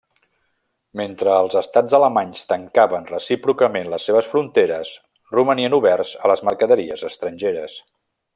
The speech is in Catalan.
Mentre els Estats alemanys tancaven recíprocament les seves fronteres, romanien oberts a les mercaderies estrangeres.